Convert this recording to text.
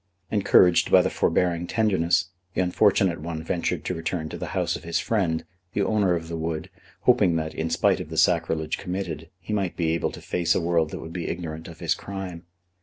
Encouraged by the forbearing tenderness, the unfortunate one ventured to return to the house of his friend, the owner of the wood, hoping that, in spite of the sacrilege committed, he might be able to face a world that would be ignorant of his crime.